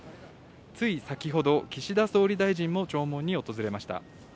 つい先ほど、岸田総理大臣も弔問に訪れました。